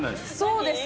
そうです。